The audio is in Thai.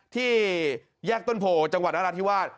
ที่แยกต้นโพจังหวัดนราธิวาส